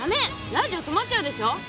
ラジオ止まっちゃうでしょ！